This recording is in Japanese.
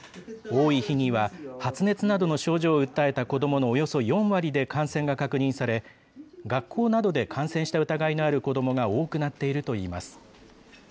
多い日には発熱などの症状を訴えた子どものおよそ４割で感染が確認され、学校などで感染した疑いのある子どもが多くなっているといいます。